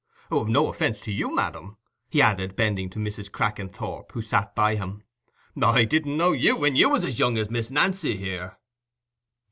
No offence to you, madam," he added, bending to Mrs. Crackenthorp, who sat by him, "I didn't know you when you were as young as Miss Nancy here."